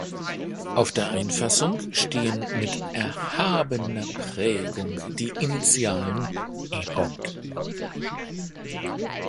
Auf der Einfassung stehen mit erhabener Prägung die Initialen „E.